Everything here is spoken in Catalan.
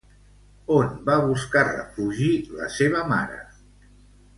On va buscar refugi la seva mare?